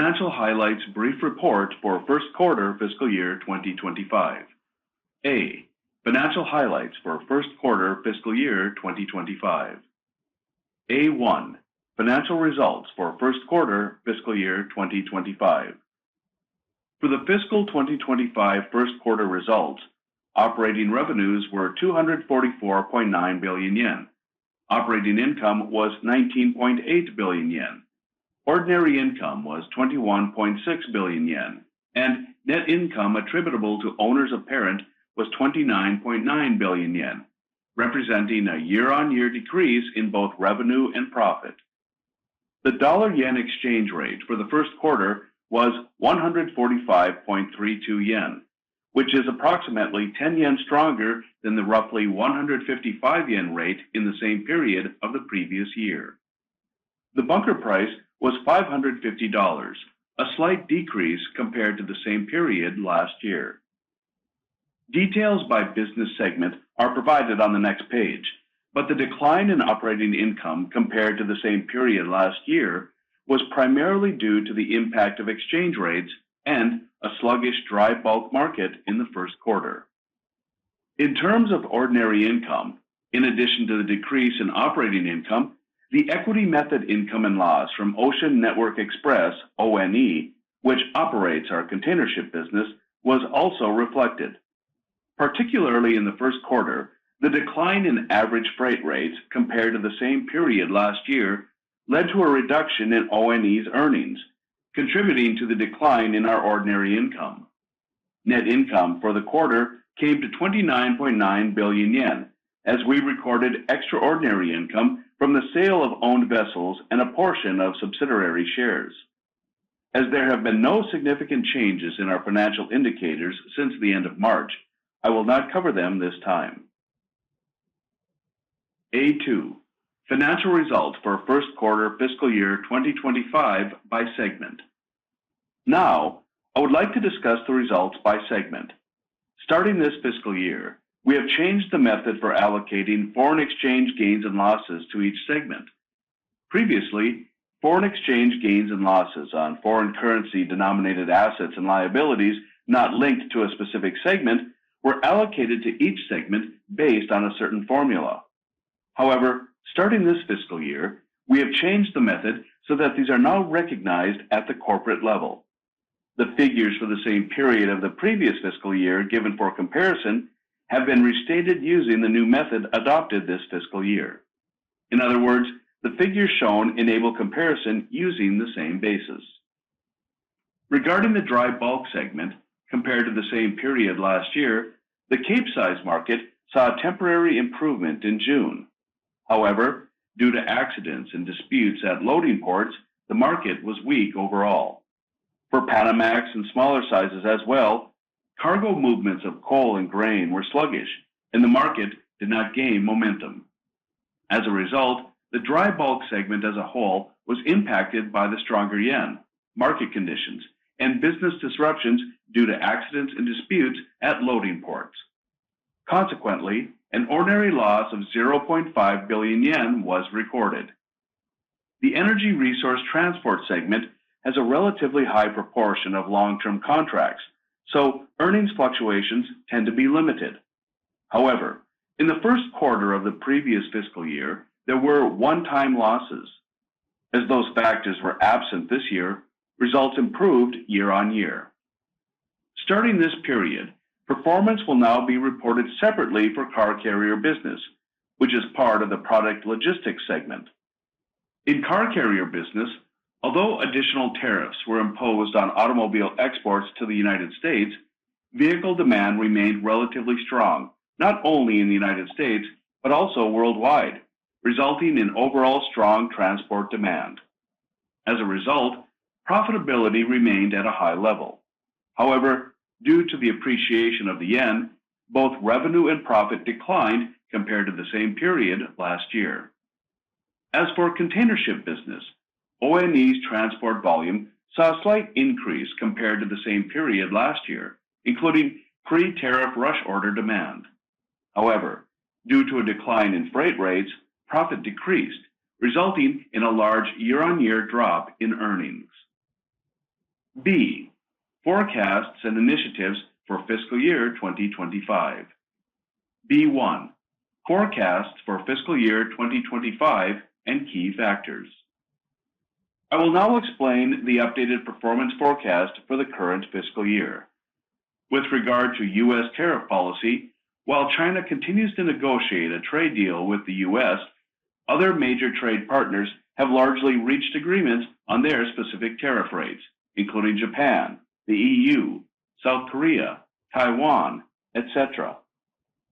Financial highlights brief report for first quarter fiscal year 2025. A. Financial highlights for first quarter fiscal year 2025. A.1. Financial results for first quarter fiscal year 2025. For the fiscal 2025 first quarter results, operating revenues were 244.9 billion yen, operating income was 19.8 billion yen, ordinary income was 21.6 billion yen, and net income attributable to owners was 29.9 billion yen, representing a year-on-year decrease in both revenue and profit. The dollar-yen exchange rate for the first quarter was 145.32 yen, which is approximately 10 yen stronger than the roughly 155 yen rate in the same period of the previous year. The bunker price was $550, a slight decrease compared to the same period last year. Details by business segment are provided on the next page, but the decline in operating income compared to the same period last year was primarily due to the impact of exchange rates and a sluggish dry bulk market in the first quarter. In terms of ordinary income, in addition to the decrease in operating income, the equity method income and loss from Ocean Network Express (ONE), which operates our containership business, was also reflected. Particularly in the first quarter, the decline in average freight rates compared to the same period last year led to a reduction in ONE's earnings, contributing to the decline in our ordinary income. Net income for the quarter came to 29.9 billion yen, as we recorded extraordinary income from the sale of owned vessels and a portion of subsidiary shares. As there have been no significant changes in our financial indicators since the end of March, I will not cover them this time. A.2. Financial results for first quarter fiscal year 2025 by segment. Now, I would like to discuss the results by segment. Starting this fiscal year, we have changed the method for allocating foreign exchange gains and losses to each segment. Previously, foreign exchange gains and losses on foreign currency denominated assets and liabilities not linked to a specific segment were allocated to each segment based on a certain formula. However, starting this fiscal year, we have changed the method so that these are now recognized at the corporate level. The figures for the same period of the previous fiscal year given for comparison have been restated using the new method adopted this fiscal year. In other words, the figures shown enable comparison using the same basis. Regarding the dry bulk segment, compared to the same period last year, the cape-sized market saw a temporary improvement in June. However, due to accidents and disputes at loading ports, the market was weak overall. For Panamax and smaller sizes as well, cargo movements of coal and grain were sluggish, and the market did not gain momentum. As a result, the dry bulk segment as a whole was impacted by the stronger yen, market conditions, and business disruptions due to accidents and disputes at loading ports. Consequently, an ordinary loss of 0.5 billion yen was recorded. The energy resource transport segment has a relatively high proportion of long-term contracts, so earnings fluctuations tend to be limited. However, in the first quarter of the previous fiscal year, there were one-time losses. As those factors were absent this year, results improved year-on year. Starting this period, performance will now be reported separately for car carrier business, which is part of the product logistics segment. In car carrier business, although additional tariffs were imposed on automobile exports to the U.S., vehicle demand remained relatively strong, not only in the U.S. but also worldwide, resulting in overall strong transport demand. As a result, profitability remained at a high level. However, due to the appreciation of the yen, both revenue and profit declined compared to the same period last year. As for containership business, ONE's transport volume saw a slight increase compared to the same period last year, including pre-tariff rush order demand. However, due to a decline in freight rates, profit decreased, resulting in a large year-on-year drop in earnings. B. Forecasts and initiatives for fiscal year 2025. B.1. Forecasts for fiscal year 2025 and key factors. I will now explain the updated performance forecast for the current fiscal year. With regard to U.S. tariff policy, while China continues to negotiate a trade deal with the U.S., other major trade partners have largely reached agreements on their specific tariff rates, including Japan, the E.U., South Korea, Taiwan, etc.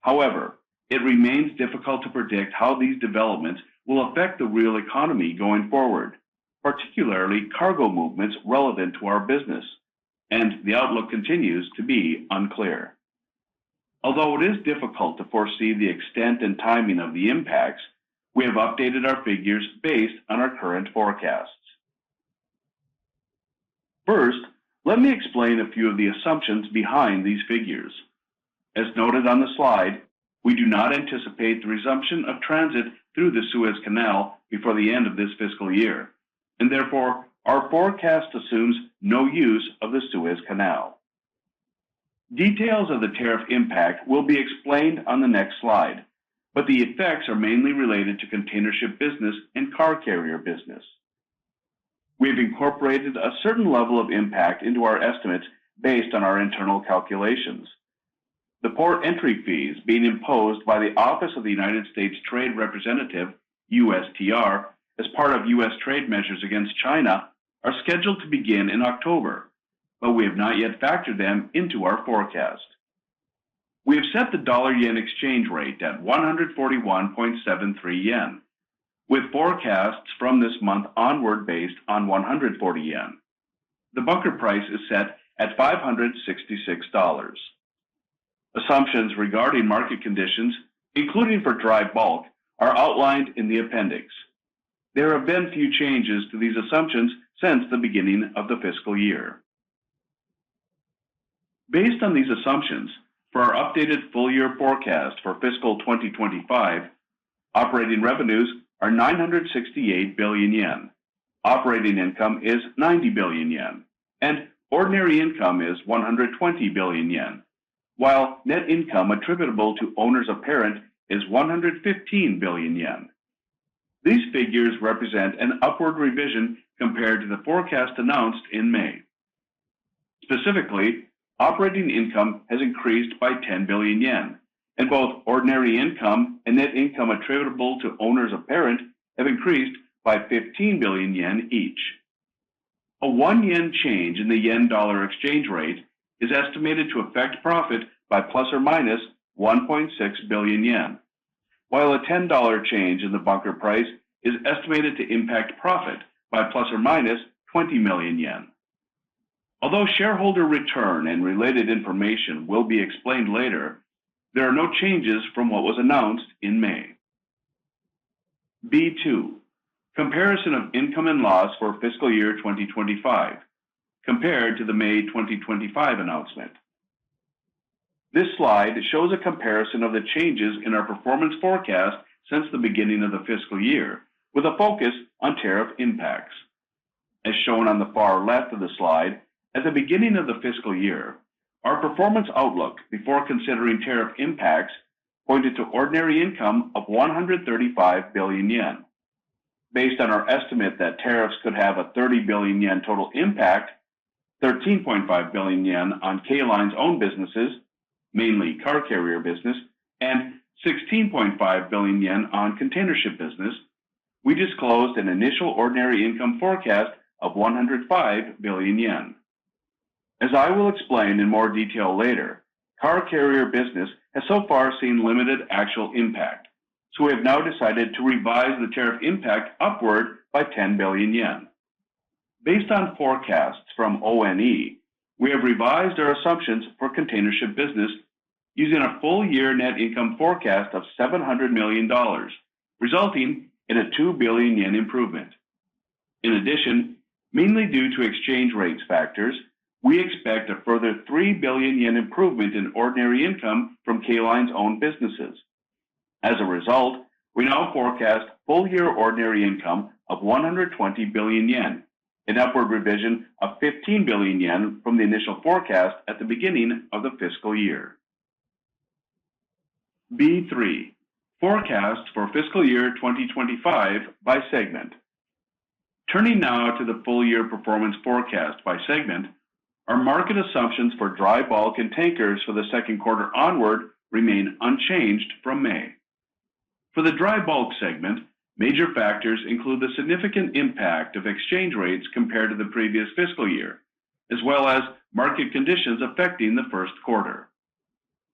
However, it remains difficult to predict how these developments will affect the real economy going forward, particularly cargo movements relevant to our business, and the outlook continues to be unclear. Although it is difficult to foresee the extent and timing of the impacts, we have updated our figures based on our current forecasts. First, let me explain a few of the assumptions behind these figures. As noted on the slide, we do not anticipate the resumption of transit through the Suez Canal before the end of this fiscal year, and therefore our forecast assumes no use of the Suez Canal. Details of the tariff impact will be explained on the next slide, but the effects are mainly related to containership business and car carrier business. We have incorporated a certain level of impact into our estimates based on our internal calculations. The port entry fees being imposed by the Office of the United States Trade Representative (USTR) as part of U.S. trade measures against China are scheduled to begin in October, but we have not yet factored them into our forecast. We have set the dollar-yen exchange rate at 141.73 yen, with forecasts from this month onward based on 140 yen. The bunker price is set at $566. Assumptions regarding market conditions, including for dry bulk, are outlined in the appendix. There have been few changes to these assumptions since the beginning of the fiscal year. Based on these assumptions, for our updated full-year forecast for fiscal year 2025, operating revenues are 968 billion yen, operating income is 90 billion yen, and ordinary income is 120 billion yen, while net income attributable to owners is 115 billion yen. These figures represent an upward revision compared to the forecast announced in May. Specifically, operating income has increased by 10 billion yen, and both ordinary income and net income attributable to owners have increased by 15 billion yen each. A 1 yen change in the yen/dollar exchange rate is estimated to affect profit by ± 1.6 billion yen, while a $10 change in the bunker price is estimated to impact profit by ± 20 million yen. Although shareholder return and related information will be explained later, there are no changes from what was announced in May. B.2. Comparison of income and loss for fiscal year 2025 compared to the May 2025 announcement. This slide shows a comparison of the changes in our performance forecast since the beginning of the fiscal year, with a focus on tariff impacts. As shown on the far left of the slide, at the beginning of the fiscal year, our performance outlook before considering tariff impacts pointed to ordinary income of 135 billion yen. Based on our estimate that tariffs could have a 30 billion yen total impact, 13.5 billion yen on K-Line's own businesses, mainly car carrier business, and 16.5 billion yen on containership business, we disclosed an initial ordinary income forecast of 105 billion yen. As I will explain in more detail later, car carrier business has so far seen limited actual impact, so we have now decided to revise the tariff impact upward by 10 billion yen. Based on forecasts from ONE, we have revised our assumptions for containership business using a full-year net income forecast of $700 million, resulting in a 2 billion yen improvement. In addition, mainly due to exchange rate factors, we expect a further 3 billion yen improvement in ordinary income from K-Line's own businesses. As a result, we now forecast full-year ordinary income of 120 billion yen, an upward revision of 15 billion yen from the initial forecast at the beginning of the fiscal year. B.3. Forecasts for fiscal year 2025 by segment. Turning now to the full-year performance forecast by segment, our market assumptions for dry bulk and tankers for the second quarter onward remain unchanged from May. For the dry bulk segment, major factors include the significant impact of exchange rates compared to the previous fiscal year, as well as market conditions affecting the first quarter.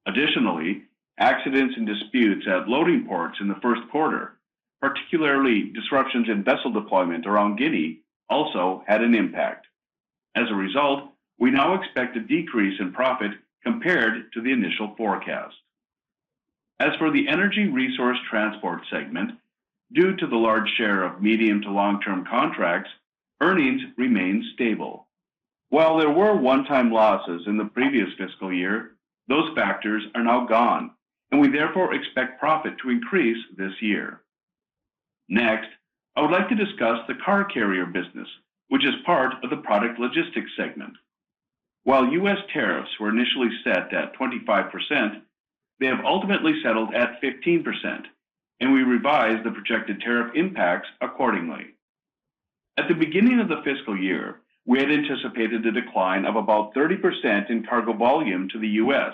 Additionally, accidents and disputes at loading ports in the first quarter, particularly disruptions in vessel deployment around Guinea, also had an impact. As a result, we now expect a decrease in profit compared to the initial forecast. As for the energy resource transport segment, due to the large share of medium to long-term contracts, earnings remain stable. While there were one-time losses in the previous fiscal year, those factors are now gone, and we therefore expect profit to increase this year. Next, I would like to discuss the car carrier business, which is part of the product logistics segment. While U.S. tariffs were initially set at 25%, they have ultimately settled at 15%, and we revised the projected tariff impacts accordingly. At the beginning of the fiscal year, we had anticipated a decline of about 30% in cargo volume to the U.S.,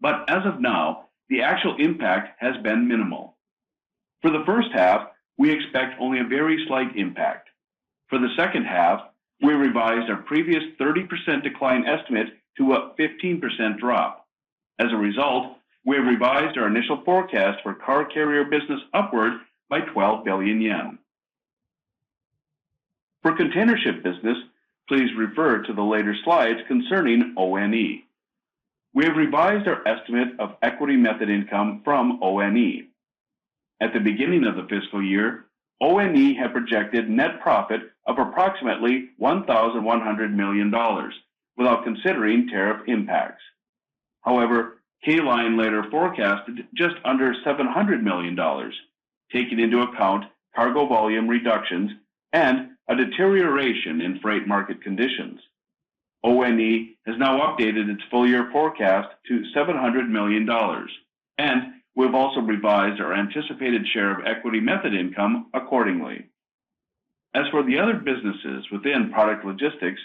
but as of now, the actual impact has been minimal. For the first half, we expect only a very slight impact. For the second half, we revised our previous 30% decline estimate to a 15% drop. As a result, we have revised our initial forecast for car carrier business upward by 12 billion yen. For containership business, please refer to the later slides concerning ONE. We have revised our estimate of equity method income from ONE. At the beginning of the fiscal year, ONE had projected net profit of approximately $1,100 million without considering tariff impacts. However, K-Line later forecasted just under $700 million, taking into account cargo volume reductions and a deterioration in freight market conditions. ONE has now updated its full-year forecast to $700 million, and we have also revised our anticipated share of equity method income accordingly. As for the other businesses within product logistics,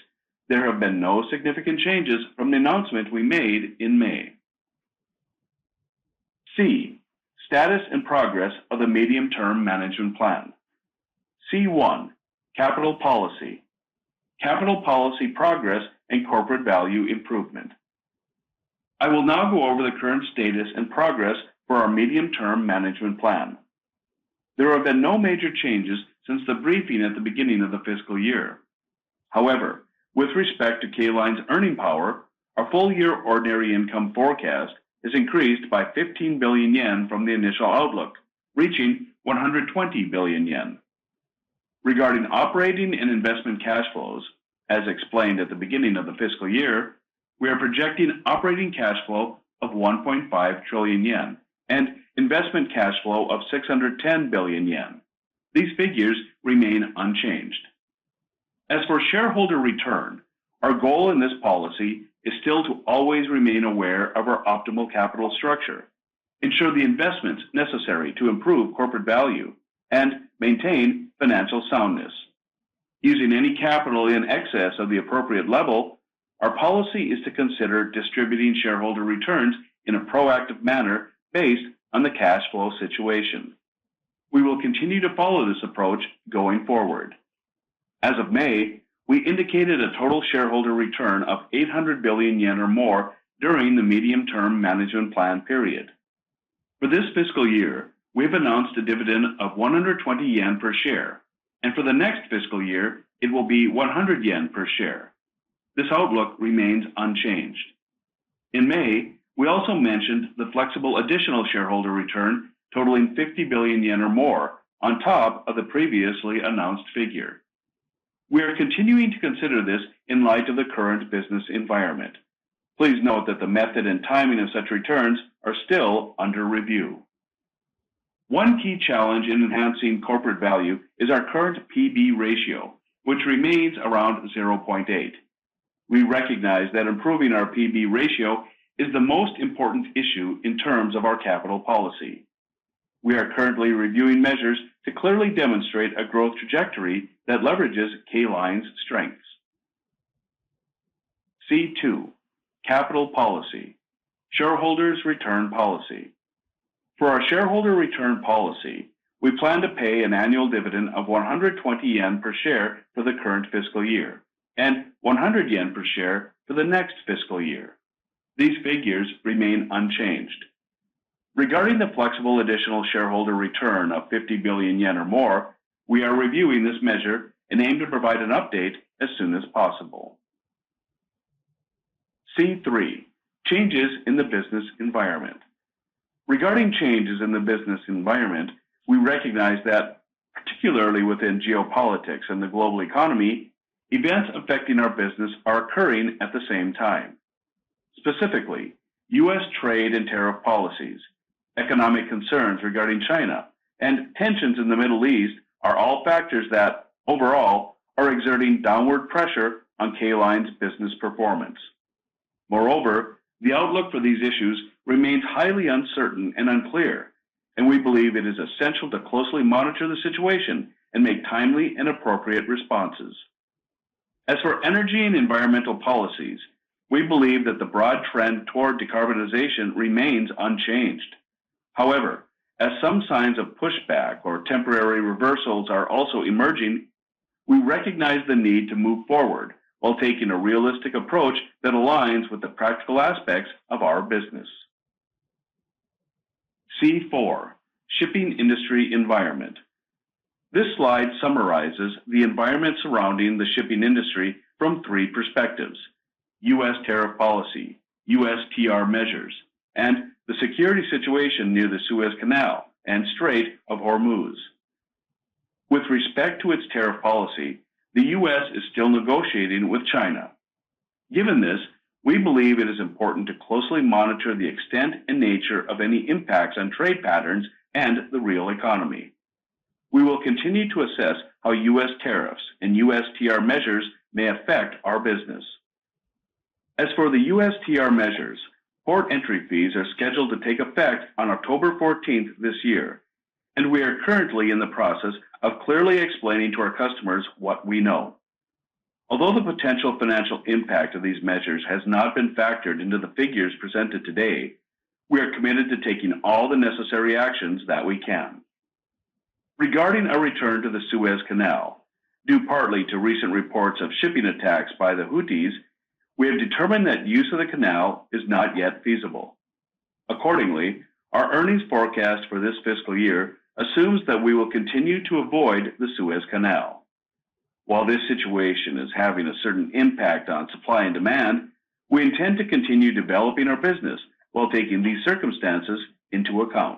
there have been no significant changes from the announcement we made in May. C. Status and progress of the medium-term management plan. C.1. Capital policy. Capital policy progress and corporate value improvement. I will now go over the current status and progress for our medium-term management plan. There have been no major changes since the briefing at the beginning of the fiscal year. However, with respect to K-Line's earning power, our full-year ordinary income forecast has increased by 15 billion yen from the initial outlook, reaching 120 billion yen. Regarding operating and investment cash flows, as explained at the beginning of the fiscal year, we are projecting operating cash flow of 1.5 trillion yen and investment cash flow of 610 billion yen. These figures remain unchanged. As for shareholder return, our goal in this policy is still to always remain aware of our optimal capital structure, ensure the investments necessary to improve corporate value, and maintain financial soundness. Using any capital in excess of the appropriate level, our policy is to consider distributing shareholder returns in a proactive manner based on the cash flow situation. We will continue to follow this approach going forward. As of May, we indicated a total shareholder return of 800 billion yen or more during the medium-term management plan period. For this fiscal year, we have announced a dividend of 120 yen per share, and for the next fiscal year, it will be 100 yen per share. This outlook remains unchanged. In May, we also mentioned the flexible additional shareholder return totaling 50 billion yen or more on top of the previously announced figure. We are continuing to consider this in light of the current business environment. Please note that the method and timing of such returns are still under review. One key challenge in enhancing corporate value is our current price-to-book ratio, which remains around 0.8. We recognize that improving our price-to-book ratio is the most important issue in terms of our capital policy. We are currently reviewing measures to clearly demonstrate a growth trajectory that leverages K-Line's strengths. C.2. Capital policy. Shareholder return policy. For our shareholder return policy, we plan to pay an annual dividend of 120 yen per share for the current fiscal year and 100 yen per share for the next fiscal year. These figures remain unchanged. Regarding the flexible additional shareholder return of 50 billion yen or more, we are reviewing this measure and aim to provide an update as soon as possible. C.3. Changes in the business environment. Regarding changes in the business environment, we recognize that, particularly within geopolitics and the global economy, events affecting our business are occurring at the same time. Specifically, U.S. trade and tariff policies, economic concerns regarding China, and tensions in the Middle East are all factors that, overall, are exerting downward pressure on K-Line's business performance. Moreover, the outlook for these issues remains highly uncertain and unclear, and we believe it is essential to closely monitor the situation and make timely and appropriate responses. As for energy and environmental policies, we believe that the broad trend toward decarbonization remains unchanged. However, as some signs of pushback or temporary reversals are also emerging, we recognize the need to move forward while taking a realistic approach that aligns with the practical aspects of our business. C.4. Shipping industry environment. This slide summarizes the environment surrounding the shipping industry from three perspectives: U.S. tariff policy, USTR measures, and the security situation near the Suez Canal and Strait of Hormuz. With respect to its tariff policy, the U.S. is still negotiating with China. Given this, we believe it is important to closely monitor the extent and nature of any impacts on trade patterns and the real economy. We will continue to assess how U.S. tariffs and USTR measures may affect our business. As for the USTR measures, port entry fees are scheduled to take effect on October 14 this year, and we are currently in the process of clearly explaining to our customers what we know. Although the potential financial impact of these measures has not been factored into the figures presented today, we are committed to taking all the necessary actions that we can. Regarding our return to the Suez Canal, due partly to recent reports of shipping attacks by the Houthis, we have determined that use of the canal is not yet feasible. Accordingly, our earnings forecast for this fiscal year assumes that we will continue to avoid the Suez Canal. While this situation is having a certain impact on supply and demand, we intend to continue developing our business while taking these circumstances into account.